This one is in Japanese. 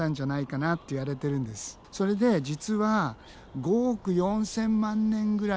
それで実は５億４，０００万年ぐらい前に。